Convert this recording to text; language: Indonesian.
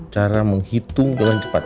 cara menghitung jalan cepat